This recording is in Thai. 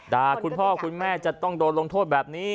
คุณพ่อคุณแม่จะต้องโดนลงโทษแบบนี้